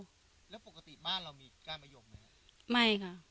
แล้วปกติบ้านเรามีก้านมะยมไหม